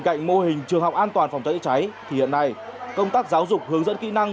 cạnh mô hình trường học an toàn phòng cháy chữa cháy thì hiện nay công tác giáo dục hướng dẫn kỹ năng